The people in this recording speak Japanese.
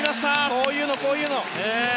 こういうの、こういうの！